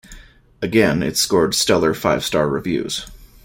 Again, it scored stellar five-star reviews.